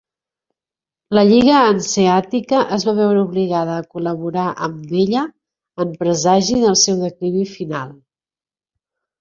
La Lliga Hanseàtica es va veure obligada a col·laborar amb ella en presagi del seu declivi final.